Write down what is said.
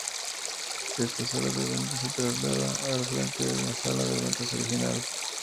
Esta sala de ventas se traslada al frente de la sala de ventas original.